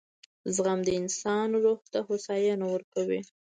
• زغم د انسان روح ته هوساینه ورکوي.